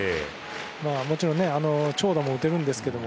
もちろん長打も打てるんですけど